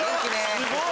すごい！